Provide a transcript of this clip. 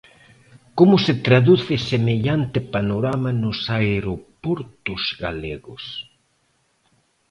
Como se traduce semellante panorama nos aeroportos galegos?